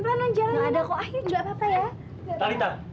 ayo ayo panjang ada kok aja juga papa ya